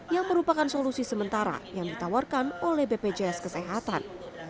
yang merupakan solusi sementara yang ditawarkan oleh bpjs kesehatan